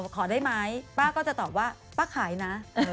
ขอได้ไหมป้าก็จะตอบว่าป้าขายนะ